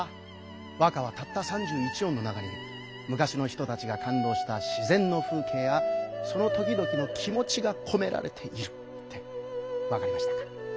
和歌はたった３１音の中にむかしの人たちがかんどうした自然の風景やその時々の気もちがこめられているってわかりましたか？